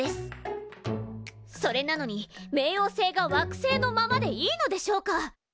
それなのに冥王星が惑星のままでいいのでしょうか？